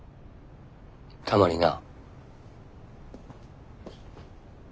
たまにな。